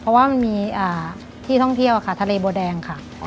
เพราะว่ามันมีที่ท่องเที่ยวค่ะทะเลบัวแดงค่ะ